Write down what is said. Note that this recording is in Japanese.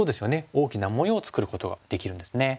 大きな模様を作ることができるんですね。